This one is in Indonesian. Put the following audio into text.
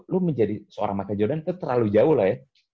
lo menjadi seorang michael jordan itu terlalu jauh lah ya